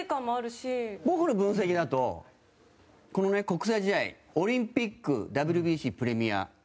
中居：僕の分析だとこのね、国際試合、オリンピックＷＢＣ、プレミア。